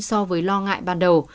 so với lo ngại ban đầu